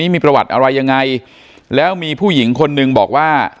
มีประวัติอะไรยังไงแล้วมีผู้หญิงคนนึงบอกว่า